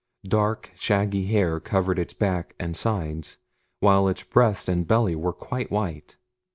Dark, shaggy hair covered its back and sides, while its breast and belly were quite white.